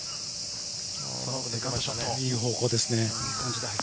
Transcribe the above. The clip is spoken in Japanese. いい方向ですね。